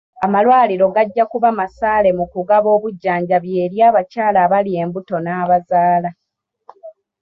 Amalwaliro gajja kuba masaale mu kugaba obujjanjabi eri abakyala abali embuto n'abazaala.